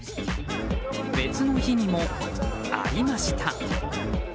別の日にも、ありました。